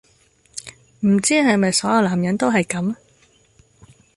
唔知係咪所有男人都係咁